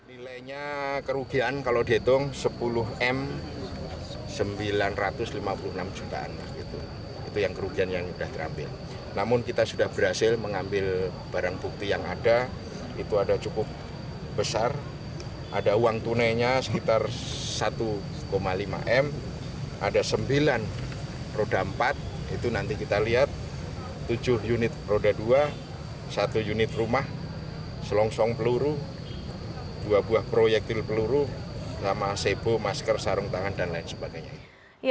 itu nanti kita lihat tujuh unit roda dua satu unit rumah selongsong peluru dua buah proyektil peluru sama sebo masker sarung tangan dan lain sebagainya